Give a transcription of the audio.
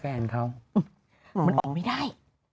มันออกไม่ได้